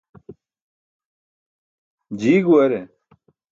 Jii guware.